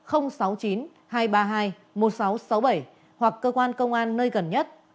sáu nghìn tám trăm sáu mươi hoặc sáu mươi chín hai trăm ba mươi hai một nghìn sáu trăm sáu mươi bảy hoặc cơ quan công an nơi gần nhất